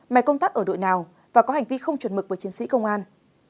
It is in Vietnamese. mà công tác ở đội nào và có hành vi không chuẩn mực với chiến sĩ công an